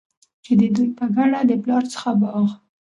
چي د دوي په ګډه د پلار څخه باغ